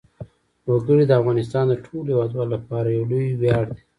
وګړي د افغانستان د ټولو هیوادوالو لپاره یو لوی ویاړ دی.